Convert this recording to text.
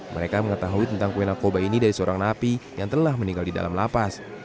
mereka mengetahui tentang kue narkoba ini dari seorang napi yang telah meninggal di dalam lapas